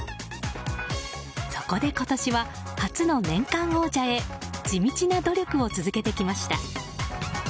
そこで今年は、初の年間王者へ地道な努力を続けてきました。